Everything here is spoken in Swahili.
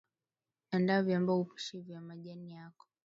andaa viamba upishi vya majani yako